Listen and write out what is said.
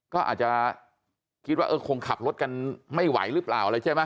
ก็อาจจะคิดว่าเออคงขับรถกันไม่ไหวหรือเปล่าอะไรใช่ไหม